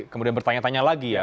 kemudian bertanya tanya lagi ya